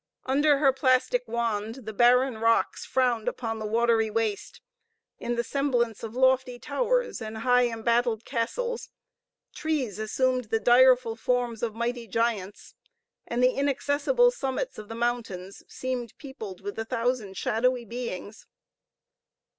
Under her plastic wand the barren rocks frowned upon the watery waste, in the semblance of lofty towers, and high embattled castles; trees assumed the direful forms of mighty giants, and the inaccessible summits of the mountains seemed peopled with a thousand shadowy beings.